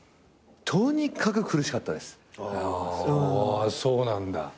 あそうなんだ。